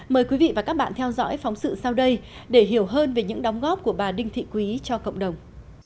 mời quý vị và các bạn theo dõi phóng sự sau đây để hiểu hơn về những đóng góp của bà đinh thị quý cho cộng đồng